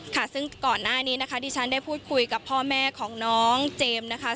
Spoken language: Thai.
ค่ะซึ่งก่อนหน้านี้นะคะที่ฉันได้พูดคุยกับพ่อแม่ของน้องเจมส์นะคะ